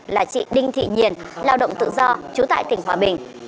là chị đinh thị hiền lao động tự do trú tại tỉnh hòa bình